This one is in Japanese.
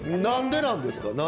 何でなんですか？